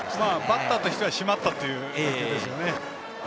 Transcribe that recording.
バッターとしてはしまったという打球ですね。